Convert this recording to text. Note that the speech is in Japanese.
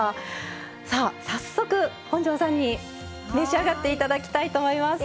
さあ早速本上さんに召し上がって頂きたいと思います。